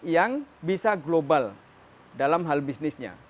yang bisa global dalam hal bisnisnya